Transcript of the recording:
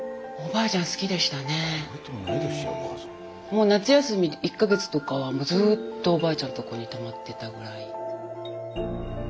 もう夏休み１か月とかはずっとおばあちゃんとこに泊まってたぐらい。